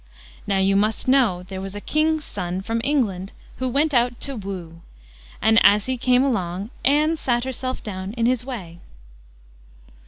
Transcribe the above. Now you must know there was a King's son from England who went out to woo; and as he came along Ann sat herself down in his way.